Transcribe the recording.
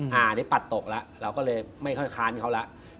อันนี้ปัดตกแล้วเราก็เลยไม่ค่อยค้านเขาแล้ว